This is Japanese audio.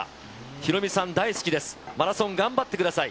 ヒロミさん大好きです、マラソン頑張ってください。